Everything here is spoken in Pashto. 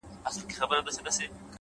هېڅوک جومات ته خدائے د پاره نه ځي